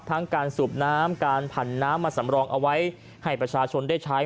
ทั้งการสูบน้ำการผันน้ำมาสำรองเอาไว้ให้ประชาชนได้ใช้